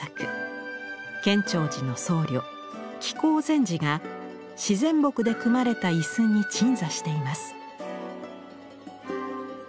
建長寺の僧侶喜江禅師が自然木で組まれた椅子に鎮座しています。